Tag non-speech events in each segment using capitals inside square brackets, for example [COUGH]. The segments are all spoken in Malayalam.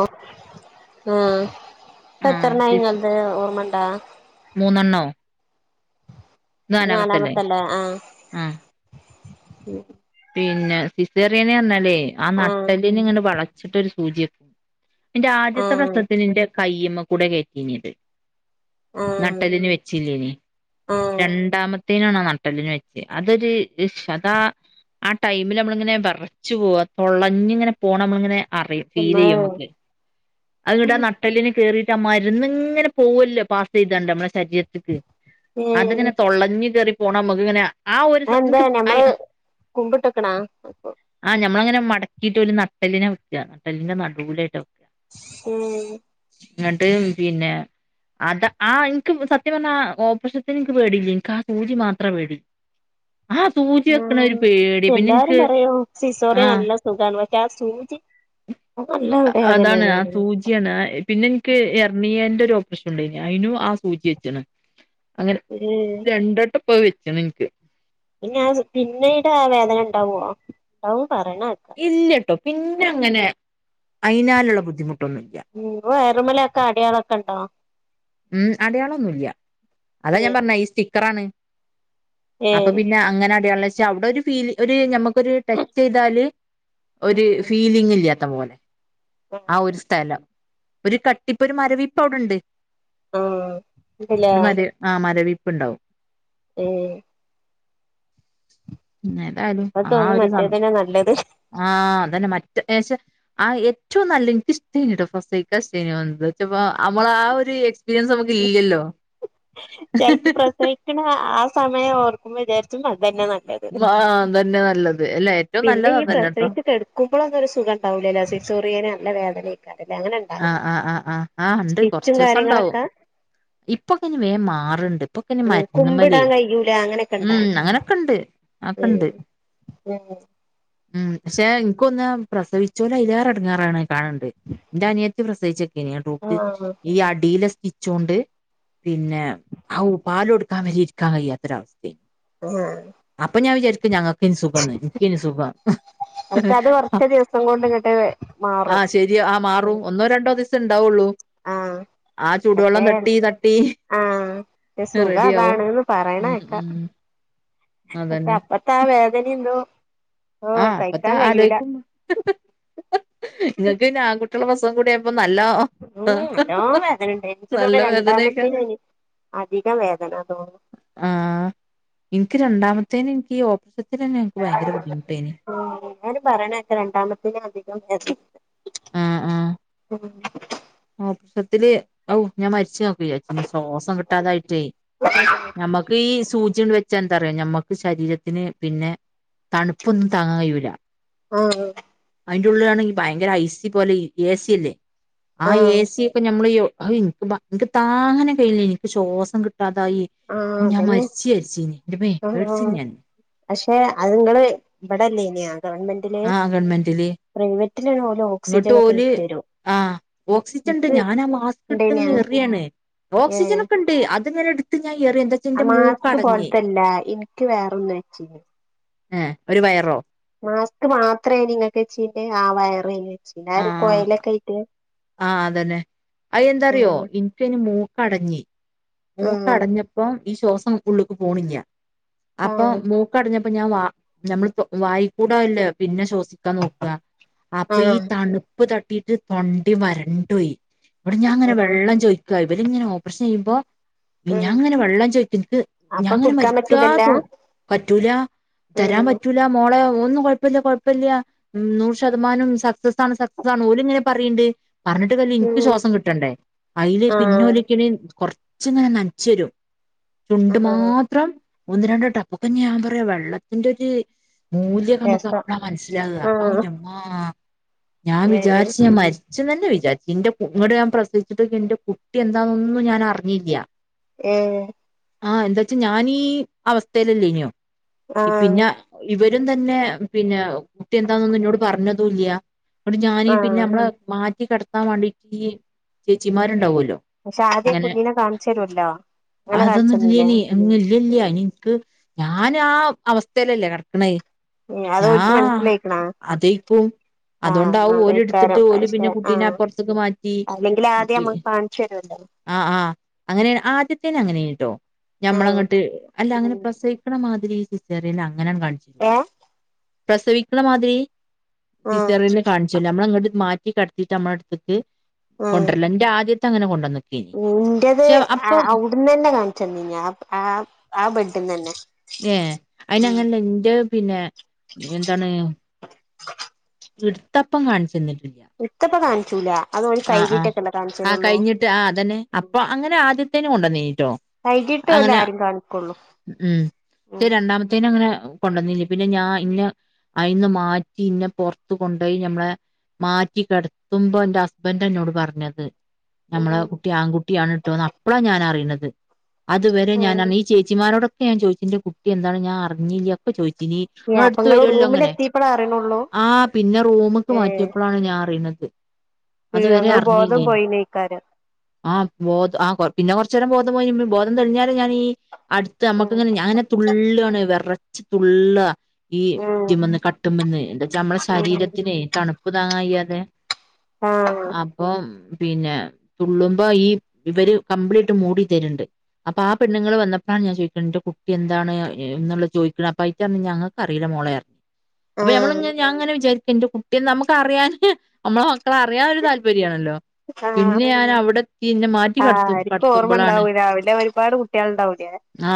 ഓ ഓ ആഹ് പ്പത്രണ്ണായി സിസ് ഇങ്ങൾത് ഓർമണ്ടോ? മൂന്നെണ്ണോ? ഇത് നാലാമത്തല്ലേ? ആ ആഹ് ങ്‌ഹും പിന്നെ സിസേറിയന് ന്നർഞ്ഞാല്ലേ ആ ആഹ് നട്ടെല്ലിന് ഇങ്ങനെ വളച്ചിട്ടൊരു സൂചിയ്ക്കും ന്റെ ആദ്യത്തെ ആഹ് പ്രശ്നത്തിന് ന്റെ കയ്യ്മ്മ കൂടെ കേറ്റീനത് ആഹ് നട്ടല്ലിന് വെച്ചില്ലേനി ആഹ് രണ്ടാമത്തേനാണോ നട്ടല്ലിന് വെച്ച് അതൊരു ശദാ ആ ടൈമില് നമ്മളിങ്ങനെ വെറച്ച് പോവാ. തൊളഞ്ഞ് ങ്ങനെ പോണ നമ്മളിങ്ങനെ അറിം. ഇമ്മേ ഫീലെയ്യും മ്മക്ക്. അതൂട്ടആ നട്ടല്ലിന് കേറി മര്ന്ന്ങ്ങനെ പോവല്ലേ പാസെയ്താണ്ട് നമ്മളെ ശരീരത്തിക്ക് ഏഹ് അതിങ്ങനെ തൊള്ളഞ്ഞ് കേറി പോണം നമ്മക്ങ്ങനെ ആ ഒര് സ അതെന്താ ന്ക്ക് ഐ ഞമ്മള് കുമ്പിട്ട്ക്ക്ണാ ആ ഞമ്മളങ്ങനെ മടക്കിട്ട് ഓല് നട്ടല്ലിനാ വെക്ക. നട്ടല്ലിന്റെ നടൂലായിട്ടവെക്ക ഉം ഇങ്ങട്ട് പിന്നെ അത ആ ഇൻക്ക് സത്യം പർഞ്ഞാ ആ ഓപ്രഷത്തിന് ൻക്ക് പേടില്യ. ൻക്കാ സൂചി മാത്രാ പേടി ആഹ് സൂചി വെക്ക്ണ ഒരു ആഹ് പേടി പിന്നെ എല്ലാരും ൻക്ക് പറയും സിസോറിയ ആഹ് നല്ല സുഖാണ് പക്ഷെ ആ സൂചി അത് നല്ല അതാണ് വേദനേണ് ആ തൂ പറയും ജി യാണ്. പിന്നെ ൻക്ക് എർണിയന്റെ ഒരു ഓപ്പറേഷൻ ണ്ടായീനി. അയ്നും ആ സൂചി വെച്ണ് അങ്ങനെ ഏഹ് രണ്ടോട്ടം പോ ത് വെചെണ് ൻക്ക് പിന്ന ആ പിന്നീട് ആ വേദന ണ്ടാവോ. ണ്ടാവും പറിണെക്ക ഇല്ലട്ടോ പിന്നെ അങ്ങനെ അയ്നാല്ള്ള ബുദ്ധിമുട്ട് ഉം പൊ വയറ്മ്മലൊക്കെ അടയാളൊക്കെ ണ്ടോ ഉം അടയാളന്നുല്യ. അതാ ഞാൻ ഏഹ് പറഞ്ഞെ ഈ സ്റ്റിക്കറാണ്. അപ്പൊ ഏഹ് പിന്നെ അങ്ങനെ അടയാളച അവ്ടെഒരു ഫീല്. ഒരു ഞമ്മക്കൊരു ടച്ച്യ്താല് ഒരു ഉം ഫീലിങ്ങ് ഇല്യത്ത പോലെ. ആഹ് ആ ഒരു സ്ഥലം ഒരു കട്ടിപ്പ് ഒരു മരവിപ്പ് അവ്ടെണ്ട് ആഹ് ഉണ്ടല്ലേ ഒരു മര് ആഹ് മരവിപ്പ്ണ്ടാവും ഉം ഏതായാലും അപ്പൊ ആ തോന്നും ഒരു സം മറ്റേതന്നെ നല്ലത് ആ അതന്നെ മറ്റേശ ആ ഏറ്റവും നല്ല ഇൻക്ക് ഇഷ്ടായിനൂട്ടോ ഫാസ്റ്റ് വച്ചപ്പോ നമ്മള ആ ഒരു ഇത് എക്സ്പീരിയൻസ് നമുക്ക് ഇല്ലല്ലോ. ചെലപ്പോ പ്രസവിക്കണ ആ സമയം ഓർക്കുമ്പോ വിചാരിച്ച മതി ആ അതന്നെ നല്ലത്. അല്ല ഏറ്റവും പിന്നെ നല്ലത് ഈ അതന്നെട്ടോ പ്രസവിച്ച് കടക്കുമ്പോളൊന്നൊരു സുഖം ഉണ്ടാവൂല്ലല്ലോ സിക്സോറിയേെ നല്ല വേദനെക്കാരം. ആ ആ ആ ആ ഇണ്ട് സ്റ്റിച്ചും കൊറച്ചോസം ണ്ടാവും. കാര്യങ്ങളൊക്കെ ഇപ്പൊക്കെ വേം മാറണ്ട് ഇപ്പൊ. ഇപ്പൊ ആ ഉം മരുന്നുമ്മല് കുമ്പിടാൻ കഴിയൂല അങ്ങനെയൊക്കെ മ് ഇണ്ടാ അങ്ങനൊക്കെ ഇണ്ട്. ഉം ആകണ്ട്. ഉം. മ് ഉം പക്ഷെ ഇനിക്കൊന്ന താ പ്രസവിചോലെ അയിലേറെ എടങ്ങേറാണ് കാണണ്ട് എന്റെ അനിയത്തി പ്രസവിച്ച് യെ ആഹ് ഈ അടിലെ -സ്ലിച്ച്. ച്ചൊണ്ട് പിന്നെ ഹൗപാൽ കൊടുക്കാൻ വരെ ഇരിക്കാൻ കഴിയാത്തൊരവസ്ഥ. ആഹ് അപ്പൊ ഞാൻ വിചാരിക്കും ഞങ്ങൾക്ക്കെനി സുഖംന്ന്. ഇനിക്കെനി സുഖം. പക്ഷെ യെഹ് അത് അ കൊറച്ച് ദിവസം കൊണ്ട് ഇങ്ങട്ട് ആ മാറും ശരിയ ഉം മാറും ഒന്നോ രണ്ടോ ദിവസ ഇണ്ടാവോള്ളൂ ആഹ് ആ ചൂടുവെള്ളം തട്ടി തട്ടി ആ സുഖ റെഡിയാവും അതാണ്ന്ന് ഉം പറണേക്ക. ഉം പ അതന്നെ അപ്പത്താ വേദനിം ന്തോ ആ അപ്പത്തെ ആലോയിക്കും നിങ്ങൾക്ക് ന്നെ ആൺകുട്ട്യാളെ പ്രസവം കൂടിയായപ്പോ ഉം ന്നല്ലോം വേദനണ്ടയ് എനിക്ക് നല്ല തോന്നാ വേദനേക്കാരം രണ്ടാമത്തിനെയ്നു അധികം വേദനന്ന് തോന്നും. ഇന്ക്ക് രണ്ടാമത്തെന് നിക്ക് ഈ ഓപറേഷത്തിന് എനിക്ക് ഭയങ്കര ബുദ്ധിമുട്ട്. ഉം എല്ലാരും പറയണേക്ക രണ്ടാമത്തിന് അധികം വേദന. ആ ആ. ഉം. [UNINTELLIGIBLE] മൊത്തത്തിൽ ഞാൻ മരിച്ചോ [UNINTELLIGIBLE] സോസം കിട്ടാതായിട്ടേ നമ്മുക്ക് ഈ സൂജി [UNINTELLIGIBLE] വെച്ചാ എന്താറിയോ നമ്മക്ക് ശരീരത്തിന് പിന്നെ തണുപ്പൊന്നും താങ്ങൻ കഴിയൂല. ആആ. അതിന്റെ ഉുള്ളാണെങ്കിൽ ഭയങ്കര ഐസ് പോലെ എ സി അല്ലേ ആ എ ആഹ് സി ഒക്കെ നമ്മൾ ഒ അ എനിക് [UNINTELLIGIBLE] എനിക്ക് ശ്വാസം കിട്ട [UNINTELLIGIBLE] കിട്ടാതായി ഒ ആഹ് ഞാൻ അതന്നെ മരിചേരിച്ചീനീ ന്റെമ്മേ ആഹ് ആഹ് പേടിച്ചിന്ന് ഞാൻ. പക്ഷെ അത്ങ്ങള് ഇവിടെല്ലെനെയാ. ഗവൺമെന്റിലെ ആ ഗവൺമെന്റില് പ്രൈവറ്റിലണ ഓലെ ഓക്സിജൻ ഒക്കെ വെച്ച് തരും. ആ ഓക്സിജൻ ണ്ട് ഞാനാ മാസ്ക് ഇണ്ടേന്യാ എടുത്ത്ങ്ങനെ എറിയാണ് ഓക്സിജൻ ഏഹ് ഒക്കെണ്ട് അത് [UNINTELLIGIBLE] എട്ത്ത് ആ മാസ്ക് പോലതല്ല ഇനിക്ക് വേറെൊന്ന വെച്ചിന്. ആ ഒരു വയറോ? മാസ്ക് മാത്രേനീ നിങ്ങൾക്ക്ച്ചീനെ ആ [UNINTELLIGIBLE] ആ കൊയലൊക്കായിട്ട് ആ അതന്നെ അയ എന്താറിയോ ആഹ് ഇനിക്ക ഇനി മൂ കടഞ്ഞി ആഹ് മൂക്കടഞ്ഞപ്പം ഈ ശ്വാസം ഉള്ളുക്ക് പോണില്ലാ. അപ്പൊ ആഹ് മൂക്കടഞ്ഞപ്പോ ഞാൻ വാ [UNINTELLIGIBLE] വായിക്കൂടാല്ലേ പിന്നെ ശോ [UNINTELLIGIBLE] നോക്ക അപ്പൊ ഈ ആഹ് തണുപ്പ് തട്ടിട്ട് തൊണ്ടിം വരണ്ട പോയി. [UNINTELLIGIBLE] ഞാൻ അങ്ങനെ ആഹ് വെള്ളം ചോയിക്ക ഇവര് ഇങ്ങനെ ഓപ്പറേഷൻ ചെയ്യുമ്പോ ഉം ഞാങ്ങനെ വെള്ളം ചോയ്ക്ക ൻക്ക് അപ്പൊ ഞാൻങ്ങനെ കുടിക്കാൻ മരിക്കാ പറ്റൂലല്ല തോന്ന പറ്റൂല തരാൻ ഉം പറ്റൂല മോളെ ന്നും കൊയപ്പല്ല കൊയപ്പല്ല നൂറ് ശതമാനം സക്സസ് ആണ് സക്സാസ് ണ് ഓൽ ങ്ങനെ പറയിണ്ട്. പറഞ്ഞിട്ട് കര്യല്ല ഇൻക്ക് ഉം ശ്വാസം കിട്ടണ്ടേ അതില് പിന്നെ ആഹ് [UNINTELLIGIBLE] ച്ചിങ്ങനെ നൻച്ചരും ചുണ്ട് ആഹ് മാത്രം. ഒന്ന് രണ്ട് ടാ അപ്പൊ ഞാൻ പറയാ വെള്ളത്തിന്റെ ഒരു മൂല്യം നമുക്ക് രസം അപ്പഴാ മനസ്സിലാകാ ഔ ആഹ് എൻ്റുമ്മാ ഞാൻ ഏഹ് വിചാരിച്ചു ഞാൻ മരിച്ചന്നന്നെ വി വിചാരിച്ച് എൻ്റെ കു ഇങ്ങട് ഞാൻ പ്രസവിച്ചിട്ട് എന്റെ കുട്ടി എന്താന്നൊന്നും ഞാൻ അറിഞ്ഞില്ല. ഏ ആ എന്താച്ചാ ഞാനീ അവസ്ഥയിലല്ലേഞ്ഞൂ ആഹ് പിന്നെ ഇവ രും തന്നെ പിന്നെ കുട്ടി എന്താന്നൊന്നും എന്നോട് പറഞ്ഞതും ഇല്ല. അതോണ്ട് ഞാന് പിന്നെ ആഹ് നമ്മളെ മാറ്റി കിടത്താൻ വേണ്ടിട്ട് ഈ ചേച്ചിമാരുണ്ടാവല്ലോ പക്ഷെ ആദ്യ ഇങ്ങനെ കുഞ്ഞിനെ കാണിച്ചു തരുവല്ലോ അങ്ങനെ അതൊന്നും കാണിച്ചന്നില്ലേ ഇല്ലേനി ഇല്ലല്ല എൻക്ക് ഞാനാ അവസ്ഥയിലല്ലേ കിടക്കണയ് അത് ഞാ ഓൽക്ക് മനസ്സിലായിക്കണാ അതേക്കും ആഹ് അതുകൊണ്ടാവും ഓല് എടുത്തിട്ട് അതേക്കാരം ഓല് പക്ഷെ പിന്നെ കുട്ടീനെ ആഹ് പൊറത്തേക്ക് മാറ്റി അല്ലെങ്കിൽ ആദ്യം പി നമ്മുക്ക് കാണിച്ചു തരുവല്ലോ ആ ആ അങ്ങനേണ്. ആ [UNINTELLIGIBLE] അങ്ങനേൺട്ടോ ആഹ് ഞമ്മളെങ്ങട്ട് അല്ല അങ്ങനെ ഉം പ്രസവിക്കണമാതിരി സിസേറിയനാ അങ്ങനൊന്നും കാണിച്ചു തരൂല. ഏഹ് പ്രസവിക്കണ മാതിരി ആഹ് സിസേറിയനെകാണിച്ചു തരൂല. നമ്മളങ്ങട് മാറ്റി കടത്തിട്ട് നമ്മടെ അടുത്തക്ക് ആഹ് കൊണ്ടുവരല. എന്റെ ആദ്യ ത്തെ അങ്ങനെ കൊണ്ടന്ന് ഇന്റത് അ അവിടന്ന് തന്നെ കാണിച്ചന്നേനി ആ ആ ആ ബെഡിന്ന് തന്നെ. ഏ അയിന് ഉം അങ്ങനല്ല എന്റെ പിന്നെ എന്താണ് എടുത്തപ്പം കാണിച്ചെന്നി ല്ല. ഇത്തപ്പ കാണിച്ചൂല അത് ഓല് ആ ആ കഴുകിട്ടൊക്കെല്ലേ ആ കാണിച്ചരുള്ളൂ കഴിഞ്ഞിട്ട് ആ അതന്നെ അപ്പൊ അങ്ങനെ ആദ്യ ത്തേന് കൊണ്ടൊന്നേനീട്ടോ കഴുകിയിട്ട് ഓല് അങ്ങനെ ആരും കാണിക്കുള്ളൂ ഉം ഉം രണ്ടാമത്തേന് അങ്ങനെ അങ്ങനെ കൊണ്ടുവന്നില്ല പിന്നെ ഞാൻ ഇന്നെ അയിന്ന് മാറ്റി ഇന്നെ പുറത്തു കൊണ്ടുപോയി ഞമ്മളെ മാറ്റി കെടത്തുമ്പോന്റെ ഹസ്ബൻഡ് എന്നോട് പറഞ്ഞത് ഞമ്മളെ ഉം കുട്ടി ആങ്കുട്ടിയാണ് ട്ടോന്ന് അപ്പളാ ഞാനറിയണത്. അതുവരെ ഞാൻ അണ് ഈ ചേച്ചിമാരോടൊക്കെ ഞാൻ ചോയ്ച്ച് എന്റെ കുട്ടി എന്താണ് ഞാൻ അറിഞ്ഞില്ല്യ ഒക്കെ ചോയ് ഇനി അപ്പൊ നമ്മടെടുത്ത് ഇങ്ങള് വരുവല്ലോങ്ങനെ റൂമിലെത്തിയപ്പളാ അറിയണുള്ളൂ ആ പിന്നെ റൂമ്ക്ക് ഏ മാറ്റിയപ്പോഴാണ് ഞാ അറിയ്ണത്. ഞങ്ങള് ബോധം പോയി ഇനീക്കാന്. ആ ബോധം ആ കൊ പിന്നെ കൊറച്ചേരം ബോധം പോയി ബോധം തെള്ഞ്ഞാലാ ഞാനീ അടുത്ത് ഉം അമ്മക്ക്ങ്ങനെ ഞാനാ തുള്ളാണ് വിറച്ച് തുള്ളാ. ഈ ഉം ഇതിമ്മ്ന്ന് കട്ടുമന്ന് നമ്മളെ ഉം ശരീരത്തിനെ തണുപ്പ് താങ്ങാകയ്യാതെ ആഹ് അപ്പൊം പിന്നെ തുള്ളുമ്പോ ഈ ഇവര് കമ്പിളിട്ട് മൂടി തരുണ്ട് അപ്പൊ ആ പെണ്ണുങ്ങള് വന്ന ഞാൻ ചോദിക്കണ്ട് ന്റെ കുട്ടി എന്താണ് എന്നുള്ള ചോദിക്കണ് അപ്പയിറ്ററഞ്ഞ് ഞങ്ങക്കറില്ല മോളെ റഞ്ഞ് അപ്പൊ ഞമ്മള് ആഹ് പഞ്ഞ് ഞാങ്ങനെ ന്റെ കുട്ടി നമുക്കറിയാന് അമ്മളെ മക്കളെ അറിയാനൊരു താല്പര്യാണല്ലോ. ആഹ് പിന്നെ ഞാനവിടെത്തി ന്നെ മാറ്റി കടത്തും ആർക്കും ഓർമ്മ കടത്തുമ്പോളാണ് ഉണ്ടാവൂല രാവിലെ ഒരുപാട് കുട്ടികളുണ്ടാവൂലേ ആ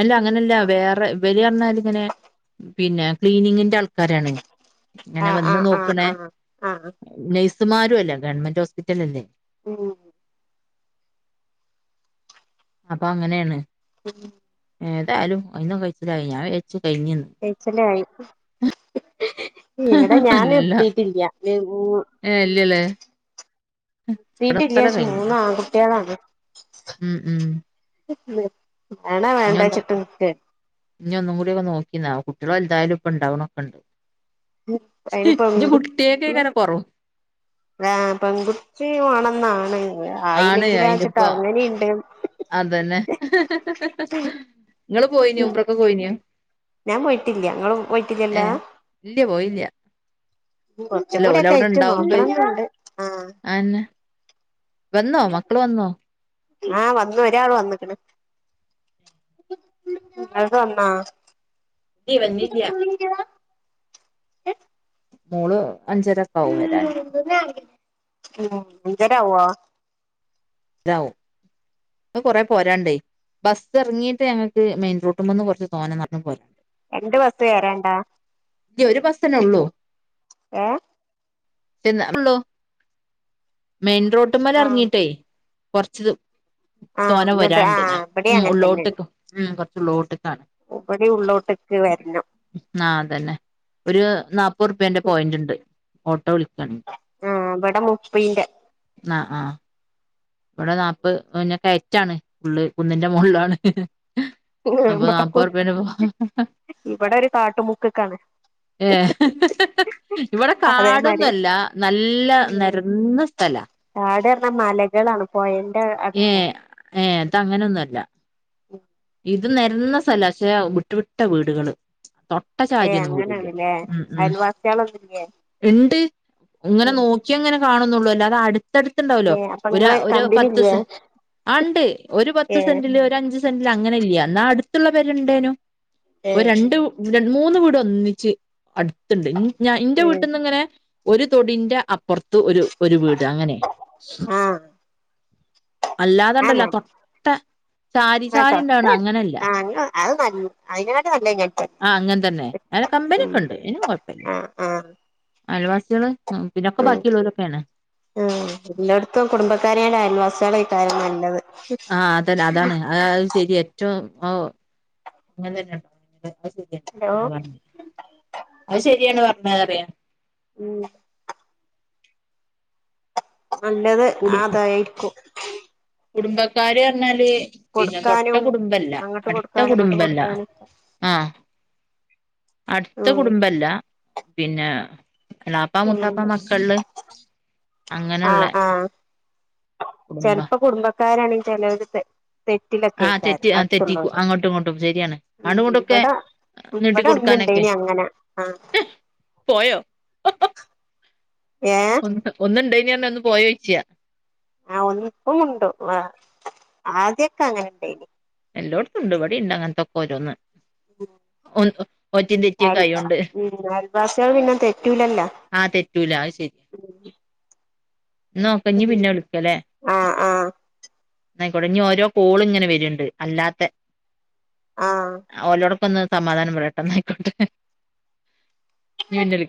അല്ല അങ്ങനല്ല വേറെ ഇവര്റഞ്ഞാല് ഇങ്ങനെ പിന്നെ ക്ലീനിങ്ങിന്റെ ആൾ ക്കാരാണ് അങ്ങനെ ആഹ് വന്ന് ആഹ് ആഹ് നോക്ക്ണേ ആഹ് ആഹ് സ് സ്മാരും അല്ല ഗവൺമെന്റ് ഓസ്പിറ്റലല്ലേ. ഉം അപ്പൊ ങ്ങനെയാണ് [INAUDIBLE] ഏതായാലും [UNINTELLIGIBLE] ചേച്ചലായി ഇവിടെ അല്ല ഞാനെത്തീട്ടില്ല. ഏ ഇല്ല്യലേ ത്തീട്ടില്ല്യ. മൂന്നാങ്കുട്ട്യളാണ്. ഉം നി ഒന്നു ഇനി ഒന്നും കൂ ടി നോക്കിന കുട്ട്യള് വലുതായാലും ഇപ്പ ഇണ്ടാവണൊക്കെ ഉണ്ട്. അയിന് ന്റകുട്ടിയക്കെ എങ്ങനെ കൊറവോ പെങ്കുട്ടി വേണന്നാണ് ആണ് അയിനിപ്പം, അതന്നെ ങ്ങള് പോയിനിയൊ ഉമ്രക്ക് പോയിനിയൊ. ഞാൻ പോയിട്ടില്ല്യ, ങ്ങളും പോയിട്ടില്ല്യല്ലാ. ഇല്ല പോയില്ല അല്ല ഓലവ്ടെണ്ടാവുമ്പെ നോക്കണംന്നുണ്ട് ആ അന്നെ വന്നോ മക്കള് വന്നോ ആ വന്ന് ഒരാള് വന്ന്ക്കണ് [UNINTELLIGIBLE] ഇല്ല്യ വന്നില്ല്യ [UNINTELLIGIBLE] മോള് അഞ്ചരക്കാവു വെരാന് ഉം, അഞ്ചര ആവുവോ രാവും കൊറേ പോരാന്ണ്ടേ ബസ്സെറങ്ങീട്ട് ഞങ്ങക്ക് മെയിൻ റൂട്ട്മ്മെന്ന് കൊറച്ച് തോനെ [UNINTELLIGIBLE] രണ്ട് ബസ് കേറാന്ണ്ടാ ഇ ഒര് ബസ്സനേ ള്ളൂ. ഏ [UNINTELLIGIBLE] ഉള്ളു മെയിൻ റോട്ടും ആ മേലെറങ്ങീട്ടേ കുറച്ചിത് ആ തോന എന്നിട്ട് ആ വരാണ്ട് ഞാ ഉം, ഉള്ളോട്ട് ഉം കൊറച്ചള്ളോട്ട്. ഒപ്പടി ഉള്ളോട്ട് ആ, അതന്നെ ഒരു നാപ്പത് റുപ്യേന്റെ പോയിന്റ്ണ്ട്, ഓട്ടോ വിളിക്ക ആ, ഇവിടെ മുപ്പിന്റെ ആ, ആ ഇവിടെ നാല്പ്പത് പിന്നെ കയറ്റാണ് ഫുള്ള് കുന്നിന്റെ മുകളാണ് അപ്പൊ, ഇവിട നാൽപ്പത് റുപ്പിയ ഉണ്ട് ഇപ്പോ ഇവിടെ ഒരു കാട്ടുമുക്ക്ക്കാണ് ഏ ഇവിടെ കാടൊന്നും അതേമാരി അല്ല നല്ല നിരന്ന സ്ഥലാ താഴെ എന്ന മലകളാണ് പൊഴ ഏ ഇത് അങ്ങനെന്നും അല്ല ഇത് നെരന്ന സ്ഥലാ പക്ഷേ വിട്ട് വിട്ട വീടുകള്. തൊട്ട ഏ ചാരിയെന്നും വീടില്ല അങ്ങനെയാണല്ലേ ഉം, ഉം, അയൽവാസികളൊന്നുംല്ലേ ഇണ്ട്. ഇങ്ങനെ നോക്കിയ അങ്ങനെ കാണുന്നുള്ളൂ അല്ലോ അത് അടു ത്തടുത്തുണ്ടാവല്ലോ ഏ അപ്പൊ നിങ്ങള് ഒരു കമ്പനി പത്ത് ഇല്ലേ സെ ആ ഉണ്ട് ഒരു പത്ത് ഏ സെന്റില് ഒരു അഞ്ച് സെന്റ് അങ്ങനില്ലിയാ എന്നാ അടുത്തുള്ള പേരു ണ്ടേനു, ഏ ഒരു രണ്ടു മൂന്ന് വീട് ഒന്നിച്ച് അട്ത്ത്ണ്ട്, ഞാൻ ഇന്റെ ഉം വീട്ടിൽന്ന് ഇങ്ങനെ ഒരു തൊടിന്റെ അപ്പുറത്ത് ഒരു ഒരു വീട് അങ്ങനെ ആ ആ അല്ലാതൊണ്ടല്ല തൊട്ട സാരി ആ സാരിണ്ടാവണ തൊട്ട് അങ്ങനല്ല ആ അത് നല്ല അതിനെക്കാട്ടി നല്ല ഞാൻ തന്നെ. ആ അങ്ങനെ തന്നെ അ കമ്പനി ഉം ണ്ട് അയ്‌ന് കൊഴപ്പില്ല ആ ആ അയൽവാസികള് പിന്നൊക്കെ ഉം, ബാക്കിയുള്ളോരൊക്കെയാണ് ആ എല്ലായിടത്തും കുടുംബക്കാരടെ അയൽവാസമാണ് ഈ കാര്യം നല്ലത്, ആ, അതല്ല അതാണ്, അത് ശരി ഏറ്റവും അങ്ങനെ തന്നാ ഹലോ അത് ശരിയാണ് പറഞ്ഞാ അറിയാ ഉം നല്ലത് കുടു അതായിരിക്കും കാര്യം പറഞ്ഞാല് പിന്നെ തൊട്ട് കൊടുക്കാനും കുടുബല്ല, അങ്ങോട്ട് അടുത്ത കൊടുക്കാനും ഇങ്ങോട്ട് കുടുംബല്ല. കൊടുക്കാനും ആ, അടുത്ത ഉം കുടുംബല്ല പിന്നെ എളാപ്പ ഉം മുത്ത മക്കൾല് അങ്ങനെള്ള ആഹ് ആഹ് ചെലപ്പോ കുടുംബക്കാരണെങ്കി ചിലടത്ത് തെറ്റിലൊക്കെ ആഹ് കേക്കരം തെറ്റി ആഹ് തെറ്റിക്കും അടുത്തുള്ളവര്, അങ്ങോട്ടും ഇങ്ങോട്ടും ശരിയാണ് അങ്ങോട്ടും ഇങ്ങോട്ടൊക്കെ ഇവടെ ഇവടെ ഒന്ന് നീട്ടിക്കൊടുക്കാനൊക്കെ ഉണ്ടേനി അങ്ങനെ, ആ പോയോ. ഏഹ് ഒന്ന് ഒന്നുണ്ടേനി ഒന്ന് പോയോയിച്ച ആ ഒന്നപ്പും ഉണ്ടോ ആ ആദ്യൊക്കെ അങ്ങനെ ഉണ്ടനി. എല്ലോടത്തുണ്ട് ഇവടിണ്ട് അങ്ങനതൊക്കെ ഓരോന്ന് ഒറ്റിം തെറ്റിയൊക്കെ അൽ ആയോണ്ട് ഉം അൽവാസികൾ പിന്നെ തെറ്റുല്ലലോ. ആ തെറ്റൂല അത് ശരി. നോക്കനി പിന്നെ വിളിക്കലേ? ആഹ് ആഹ് ന്നാ ആയിക്കോട്ടെ ഇനി ഓരോ കോളും ഇങ്ങനെ വര്ണ്ട് അല്ലാതെ ആഹ് ഓലോടക്കെ ഒന്ന് സമാധാനം പറയട്ടെ ന്നാ ആയിക്കോട്ടെ ഇഞ്ഞ് പിന്നെ വി